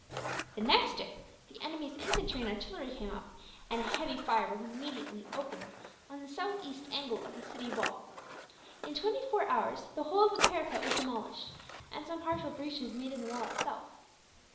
The next day the enemy's infantry and artillery came up, and a heavy fire was immediately opened on the southeast angle of the city wall. In twenty four hours the whole of the parapet was demolished, and some partial breaches made in the wall itself.